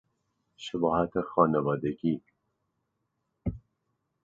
شباهت خانوادگی